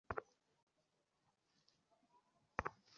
এই ভীড়ের মধ্যে একজনকে দেখাউ যাকে সে রহম করবে।